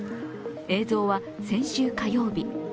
映像は先週火曜日。